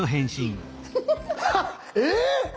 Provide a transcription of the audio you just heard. えっ⁉